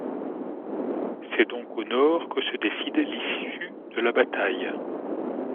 C'est donc au nord que se décide l'issue de la bataille.